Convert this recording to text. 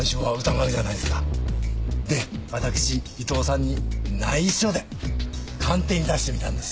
で私伊藤さんに内緒で鑑定に出してみたんです。